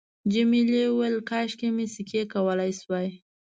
جميلې وويل:، کاشکې مې سکی کولای شوای.